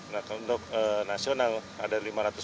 nah untuk nasional ada lima ratus